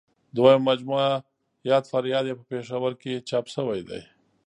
دویمه مجموعه یاد فریاد یې په پېښور کې چاپ شوې ده.